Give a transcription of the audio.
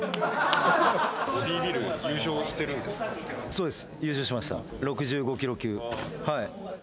そうです。